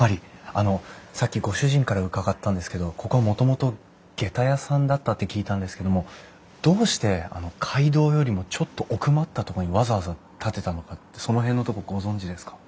あのさっきご主人から伺ったんですけどここはもともとげた屋さんだったって聞いたんですけどもどうして街道よりもちょっと奥まったとこにわざわざ建てたのかってその辺のとこご存じですか？